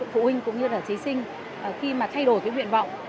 phụ huynh cũng như là trí sinh khi mà thay đổi nguyện vọng